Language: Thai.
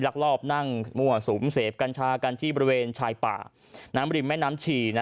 ลักลอบนั่งมั่วสุมเสพกัญชากันที่บริเวณชายป่าน้ำริมแม่น้ำชี